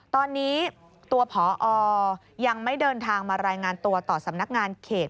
ตอนนี้ตัวพอยังไม่เดินทางมารายงานตัวต่อสำนักงานเขต